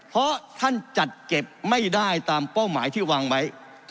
เพราะท่านจัดเก็บไม่ได้ตามเป้าหมายที่วางไว้